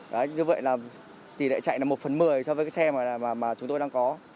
vậy là tỷ lệ chạy một phần một mươi so với xe mà chúng tôi đang có